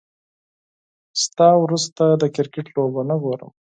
له تا وروسته، د کرکټ لوبه نه ګورم